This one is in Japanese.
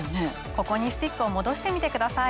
ここにスティックを戻してみてください。